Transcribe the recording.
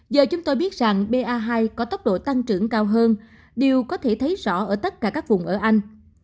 giờ chúng tôi biết rằng ba hai có tốc độ tăng trưởng cao hơn điều có thể thấy rõ ở tất cả các vùng ở anh